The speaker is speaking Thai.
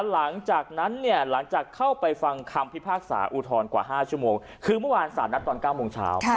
หลังจากนั้นเนี่ยหลังจากเข้าไปฟังคำพิพากษาอุทธรณ์กว่า๕ชั่วโมงคือเมื่อวานสารนัดตอน๙โมงเช้า